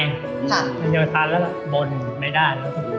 ถ้าไม่เยอะทันแล้วก็บ่นไม่ได้